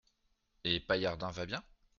Et Paillardin va bien ?…